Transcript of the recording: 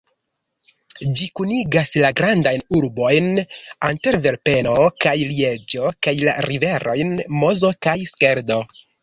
Ĝi kunigas la grandajn urbojn Antverpeno kaj Lieĝo kaj la riverojn Mozo kaj Skeldo.